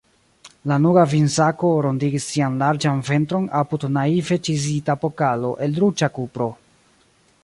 Lanuga vinsako rondigis sian larĝan ventron apud naive ĉizita pokalo el ruĝa kupro.